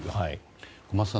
小松さん